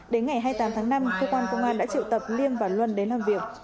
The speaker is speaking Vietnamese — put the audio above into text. đến ngày hai mươi tám tháng năm cơ quan công an đã triệu tập liêm và luân đến làm việc